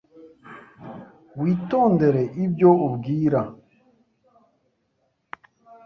Witondere ibyo ubwira .